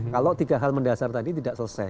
kalau tiga hal mendasar tadi tidak selesai